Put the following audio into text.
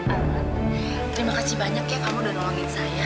terima kasih banyak ya kamu udah nolongin saya